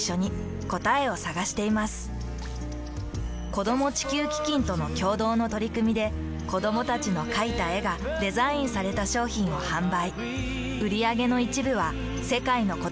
子供地球基金との共同の取り組みで子どもたちの描いた絵がデザインされた商品を販売。